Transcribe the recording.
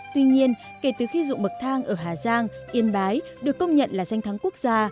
tuy nhiên kể từ khi ruộng bậc thang ở hà giang yên bái được công nhận là danh thắng quốc gia